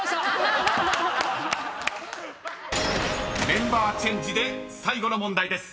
［メンバーチェンジで最後の問題です］